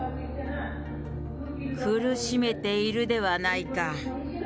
苦しめているではないか。